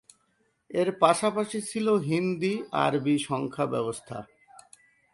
এর পাশাপাশি ছিল হিন্দি-আরবি সংখ্যা ব্যবস্থা।